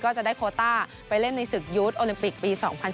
ก็จะได้โคต้าไปเล่นในศึกยุทธ์โอลิมปิกปี๒๐๑๘